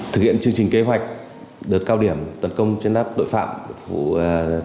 tuy nhiên việc bắt giữ các vụ việc chỉ là phân nổi